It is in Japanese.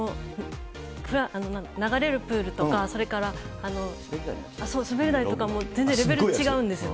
流れるプールとか、それから滑り台とかも全然レベル違うんですよ。